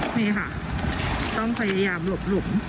นี่ค่ะต้องพยายามหลบหลุม